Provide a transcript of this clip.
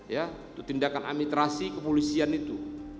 ya itu tindakan amitrasi kepolisian itu